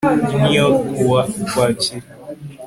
i New York kuwa Ukwakira